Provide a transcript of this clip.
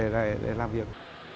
để làm việc